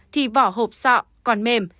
thì vỏ hộp sọ còn mềm